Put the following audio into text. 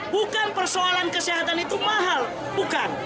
bukan persoalan kesehatan itu mahal bukan